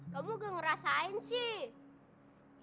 kamu gak ngerasain sih